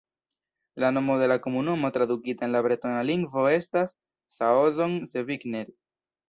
La nomo de la komunumo tradukita en la bretona lingvo estas "Saozon-Sevigneg".